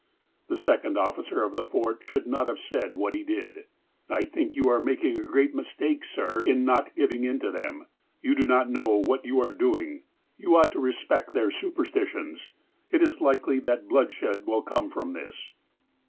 The second officer of the Fort should not have said what he did :*' I think you are making a great mistake, sir, in not giving in to them. You do not know what you are doing. Tou ought to respect their superstitions. It is likely that bloodshed will come from this."